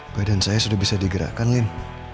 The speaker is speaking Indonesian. badan saya sudah bisa digerakkan lin